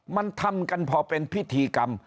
มันทำกันพอเป็นพิธีกรรม